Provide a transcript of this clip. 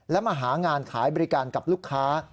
และมาหางานขายบริการกับลูกค้า